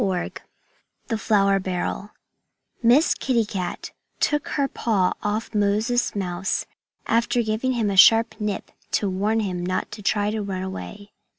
XXII THE FLOUR BARREL MISS KITTY CAT took her paw off Moses Mouse, after giving him a sharp nip to warn him not to try to run away.